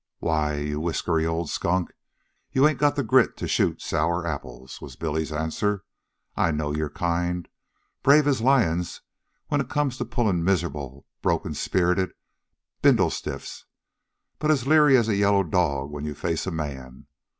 "Why, you whiskery old skunk, you ain't got the grit to shoot sour apples," was Billy's answer. "I know your kind brave as lions when it comes to pullin' miserable, broken spirited bindle stiffs, but as leery as a yellow dog when you face a man.